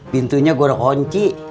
pintunya gue udah kunci